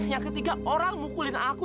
yang ketiga orang mukulin aku